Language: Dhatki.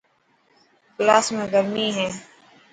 ڪلاس ۾ گرمي هي.